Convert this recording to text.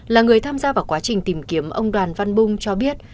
là người tham gia vào quá trình tìm kiếm ông đoàn văn bung cho biết